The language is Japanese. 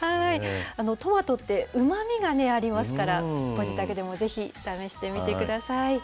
トマトってうまみがありますから、ご自宅でもぜひ試してみてください。